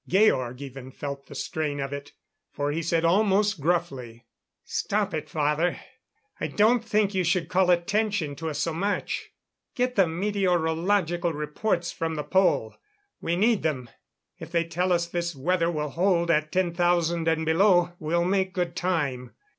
Georg even felt the strain of it, for he said almost gruffly: "Stop it, father. I don't think you should call attention to us so much. Get the meteorological reports from the Pole we need them. If they tell us this weather will hold at 10,000 and below, we'll make good time."